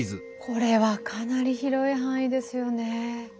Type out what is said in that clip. これはかなり広い範囲ですよね。